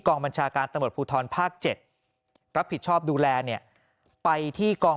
บัญชาการตำรวจภูทรภาค๗รับผิดชอบดูแลเนี่ยไปที่กอง